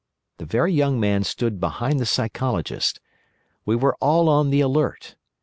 The Very Young Man stood behind the Psychologist. We were all on the alert.